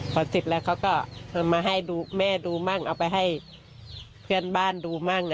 พอเสร็จแล้วเขาก็มาให้ดูแม่ดูมั่งเอาไปให้เพื่อนบ้านดูมั่ง